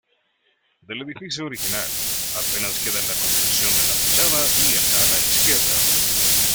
Del edificio original, apenas queda la construcción de la fachada y el ala izquierda.